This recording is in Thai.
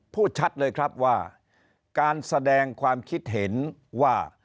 พูดชัดเลยครับว่าการแสดงความคิดเห็นว่า